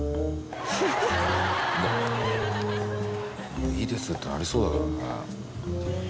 「もういいです」ってなりそうだけどね。